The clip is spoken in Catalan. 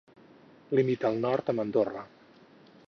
Limita al nord amb Andorra.